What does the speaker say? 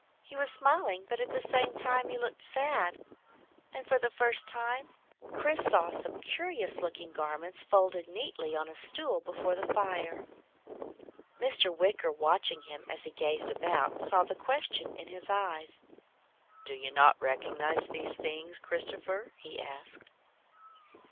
He was smiling but at the same time he looked sad. And for the first time Chris saw some curious looking garments folded neatly on a stool before the fire. Mr. Wicker, watching him as he gazed about, saw the question in his eyes. "Do you not recognise these things, Christopher?" he asked.